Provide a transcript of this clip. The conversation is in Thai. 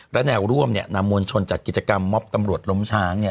และแนวร่วมนำมวลชนจัดกิจกรรมมอบตำรวจล้มช้าง